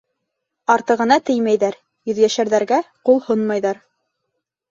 Артығына теймәйҙәр, йөҙйәшәрҙәргә ҡул һонмайҙар.